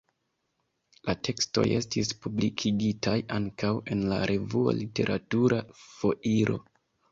La tekstoj estis publikigitaj ankaŭ en la revuo Literatura Foiro.